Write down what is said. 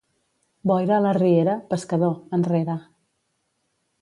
Boira a la riera, pescador, enrere.